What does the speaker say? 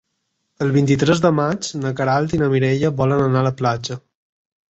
El vint-i-tres de maig na Queralt i na Mireia volen anar a la platja.